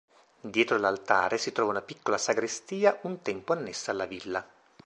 Dietro l'altare si trova una piccola sagrestia un tempo annessa alla villa.